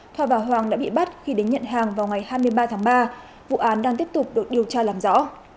thoa và hoàng đã bị bắt khi đến nhận hàng vào ngày hai mươi ba tháng ba vụ án đang tiếp tục được điều tra làm rõ